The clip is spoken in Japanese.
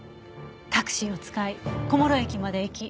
タクシーを使い小諸駅まで行き